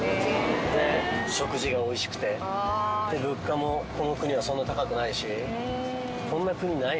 で食事がおいしくて物価もこの国はそんな高くないし。